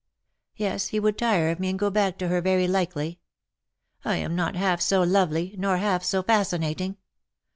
Yes, he would tire of me and go back to her very likely. I am not half so lovely, nor half so fascinating.